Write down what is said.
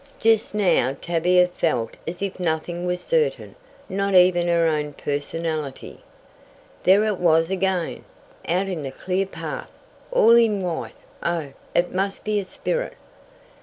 Just now Tavia felt as if nothing was certain, not even her own personality. There it was again, out in the clear path! All in white! Oh, it must be a spirit!